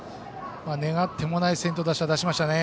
願ってもない先頭打者を出しましたね。